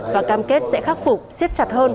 và cam kết sẽ khắc phục siết chặt hơn